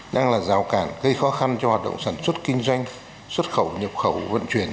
đang là rào cản gây khó khăn cho hoạt động sản xuất kinh doanh xuất khẩu nhập khẩu vận chuyển